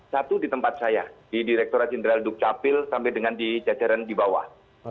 satu di tempat saya di direkturat jenderal dukcapil sampai dengan di jajaran di bawah